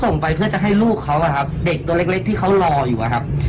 ในเดือนนี้นะฮะ